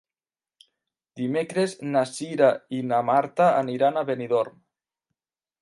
Dimecres na Cira i na Marta aniran a Benidorm.